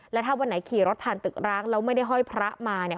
แล้วถ้าวันไหนขี่รถผ่านตึกร้างแล้วไม่ได้ห้อยพระมาเนี่ย